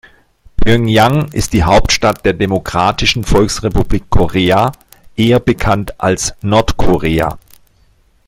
Pjöngjang ist die Hauptstadt der Demokratischen Volksrepublik Korea, eher bekannt als Nordkorea.